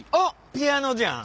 ピアノじゃん。